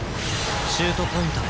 シュートポイントへ